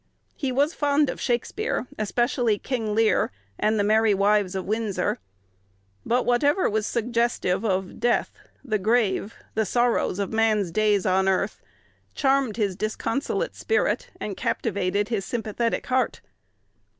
He was fond of Shakspeare, especially "King Lear," and "The Merry Wives of Windsor." But whatever was suggestive of death, the grave, the sorrows of man's days on earth, charmed his disconsolate spirit, and captivated his sympathetic heart.